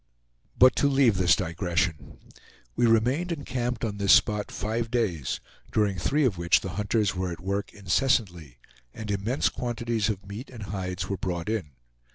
But to leave this digression. We remained encamped on this spot five days, during three of which the hunters were at work incessantly, and immense quantities of meat and hides were brought in.